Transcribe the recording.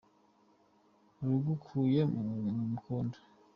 Rugukuye ku mukondo